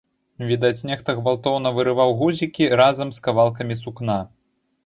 Відаць, нехта гвалтоўна вырываў гузікі разам з кавалкамі сукна.